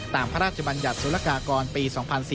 ตามพระราชบัญญัติศุรกากรปี๒๔๖๙